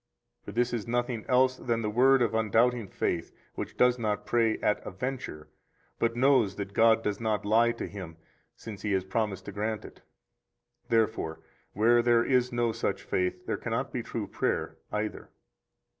For this is nothing else than the word of undoubting faith, which does not pray at a venture, but knows that God does not lie to him, since He has promised to grant it. 120 Therefore, where there is no such faith, there cannot be true prayer either.